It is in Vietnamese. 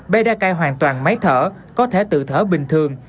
bé đa cây hoàn toàn máy thở có thể tự thở bình thường